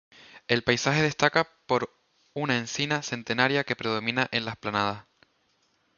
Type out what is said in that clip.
El paisaje destaca por una encina centenaria que predomina en la explanada.